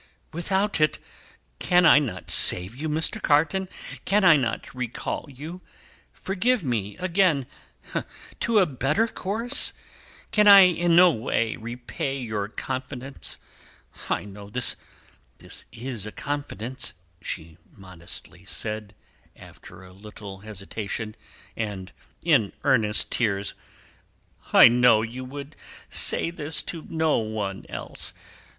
"Without it, can I not save you, Mr. Carton? Can I not recall you forgive me again! to a better course? Can I in no way repay your confidence? I know this is a confidence," she modestly said, after a little hesitation, and in earnest tears, "I know you would say this to no one else.